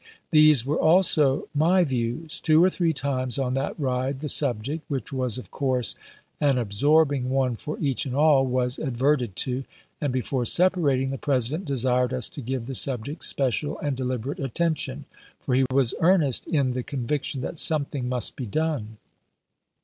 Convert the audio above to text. These were also my views. Two or three times on that ride the subject, which was of course an absorbing one for each and all, was ad verted to, and before separating, the President desired us to give the subject special and deliberate attention, for he was earnest in the conviction that something must be done.